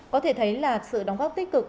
có thể thấy là sự đóng góp tích cực